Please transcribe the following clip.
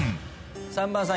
３番さん